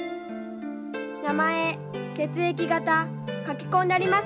名前血液型書き込んでありますね？